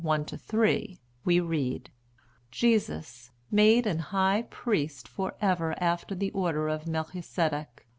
1 to 3, we read: "Jesus, made an High Priest for ever after the order of Melchisedec.